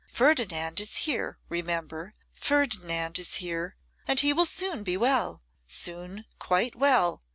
Ferdinand is here; remember, Ferdinand is here, and he will soon be well; soon quite well.